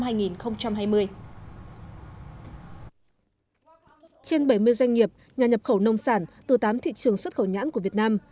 trên bảy mươi doanh nghiệp nhà nhập khẩu nông sản từ tám thị trường xuất khẩu nhãn của việt nam